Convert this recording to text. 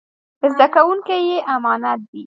زده کوونکي يې امانت دي.